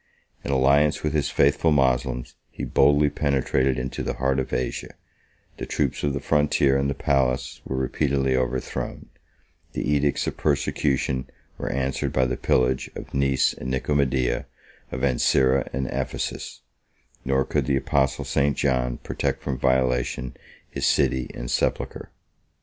In alliance with his faithful Moslems, he boldly penetrated into the heart of Asia; the troops of the frontier and the palace were repeatedly overthrown; the edicts of persecution were answered by the pillage of Nice and Nicomedia, of Ancyra and Ephesus; nor could the apostle St. John protect from violation his city and sepulchre.